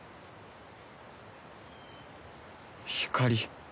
光。